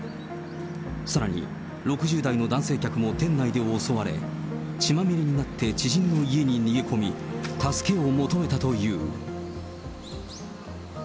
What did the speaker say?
さらに６０代の男性客も店内で襲われ、血まみれになって知人の家に逃げ込み、助けを求めたという。